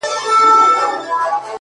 نور په ما مه کوه هوس راپسې وبه ژاړې!